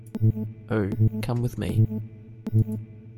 Oh, come with me.